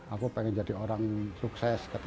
aku pengen jadi orang sukses